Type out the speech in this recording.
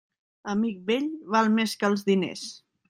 Amic vell val més que els diners.